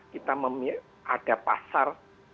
kita memiliki ada pasar